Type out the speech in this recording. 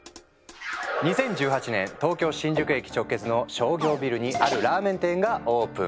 ２０１８年東京新宿駅直結の商業ビルにあるラーメン店がオープン。